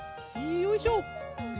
よいしょ。